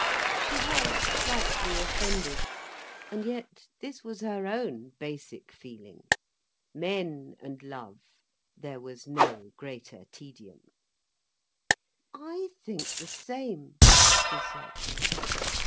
She was slightly offended. And yet, this was her own basic feeling. Men, and love—there was no greater tedium. "I think the same," she said.